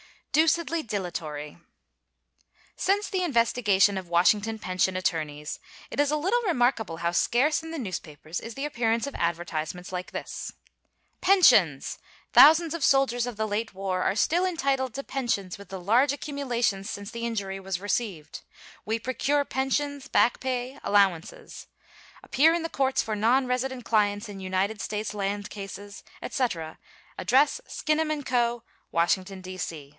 Doosedly Dilatory. Since the investigation of Washington pension attorneys, it is a little remarkable how scarce in the newspapers is the appearance of advertisements like this. Pensions! Thousands of soldiers of the late war are still entitled to pensions with the large accumulations since the injury was received. We procure pensions, back pay, allowances. Appear in the courts for nonresident clients in United States land cases, etc. Address Skinnem & Co., Washington, D.